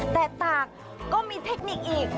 แต่ตากก็มีเทคนิคอีก